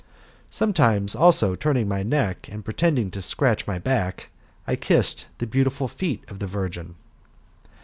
Sometimes, also, turning my neck, and pretending to scratch my back, I kissed the beautiful feet of the virgin.